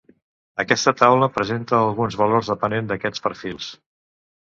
Aquesta taula presenta alguns valors depenent d'aquests perfils.